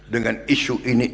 dengan isu ini